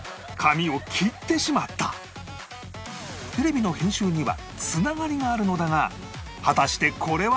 テレビの編集には繋がりがあるのだが果たしてこれは